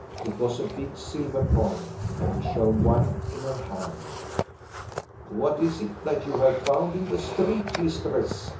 It was a big silver coin and it shone white in her hand. "What is it that you have found in the street, mistress?"